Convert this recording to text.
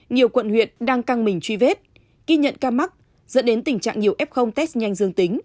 nhiều quận huyện đang căng mình truy vết ghi nhận ca mắc dẫn đến tình trạng nhiều f test nhanh dương tính